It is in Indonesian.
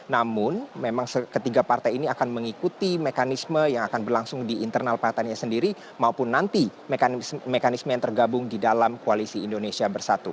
namun memang ketiga partai ini akan mengikuti mekanisme yang akan berlangsung di internal partainya sendiri maupun nanti mekanisme yang tergabung di dalam koalisi indonesia bersatu